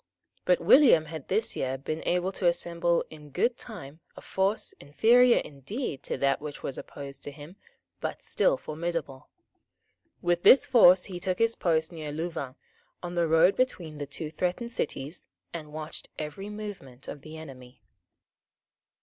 But William had this year been able to assemble in good time a force, inferior indeed to that which was opposed to him, but still formidable. With this force he took his post near Louvain, on the road between the two threatened cities, and watched every movement of the enemy.